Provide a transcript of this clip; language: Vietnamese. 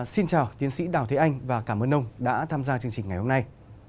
xin chào tiến sĩ đào thế anh và cảm ơn ông đã tham gia chương trình ngày hôm nay